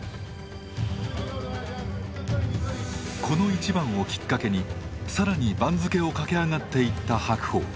この一番をきっかけに更に番付を駆け上がっていった白鵬。